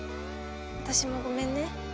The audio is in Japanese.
私もごめんね。